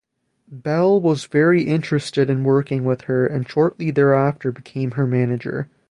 Bell was very interested in working with her and shortly thereafter became her manager.